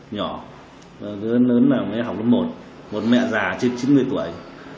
nhỏ lớn lớn học lớp một một mẹ già trên chín người tuổi